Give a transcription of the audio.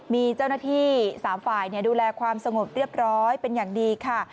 มีเจ้าหน้าที่๓ฝ่ายดูแลความสงบเรียบร้อยเป็นอย่างดีค่ะ